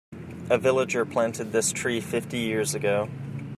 A villager planted this tree fifty years ago.